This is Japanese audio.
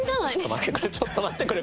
ちょっと待ってくれ。